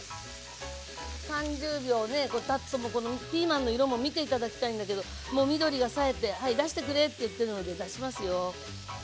３０秒たつとこのピーマンの色も見て頂きたいんだけどもう緑がさえて出してくれって言ってるので出しますよ。